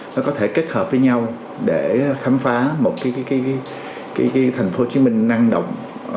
nó có thể kết hợp với nhau để khám phá một cái thành phố hồ chí minh năng động